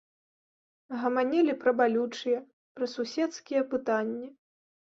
Гаманілі пра балючыя, пра суседскія пытанні.